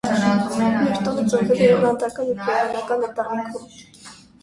Մերտոնը ծնվել է իռլանդական և գերմանական ընտանիքում։